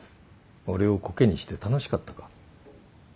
俺をこけにして楽しかったか？